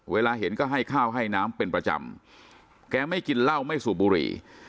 เวลาเห็นก็ให้ข้าวให้น้ำเป็นประจำแกไม่กินเหล้าไม่สูบบุหรี่